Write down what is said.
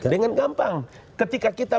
dengan gampang ketika kita